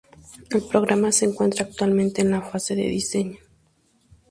El programa se encuentra actualmente en la fase de diseño.